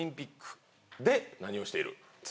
で何をしている？